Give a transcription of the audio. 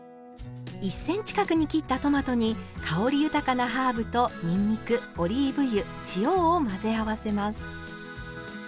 １ｃｍ角に切ったトマトに香り豊かなハーブとにんにくオリーブ油塩を混ぜ合わせます。